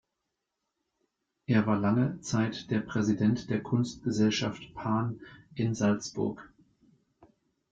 Er war lange Zeit der Präsident der Kunstgesellschaft Pan in Salzburg.